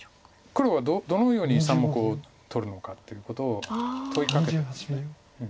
黒はどのように３目を取るのかっていうことを問いかけたんです。